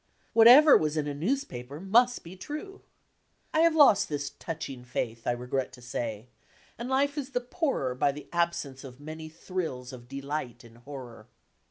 Whatever was in a newspaper must be true. I have lost this touching faith, I regret to say, and life is the poorer by the absence of many thrills of delight and horror.